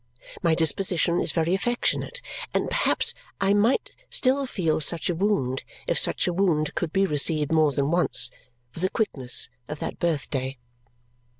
My disposition is very affectionate, and perhaps I might still feel such a wound if such a wound could be received more than once with the quickness of that birthday.